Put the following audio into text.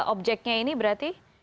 objeknya ini berarti